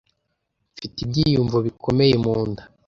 Mfite ibyiyumvo bikomeye mu nda.